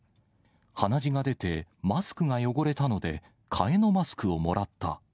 鼻血が出てマスクが汚れたので、替えのマスクをもらった。